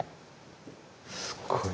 すごい。